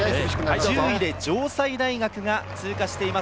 １０位で城西大学が通過しています。